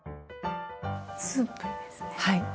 スープですね。